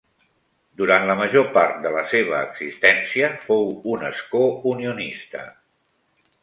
Durant la major part de la seva existència, fou un escó unionista.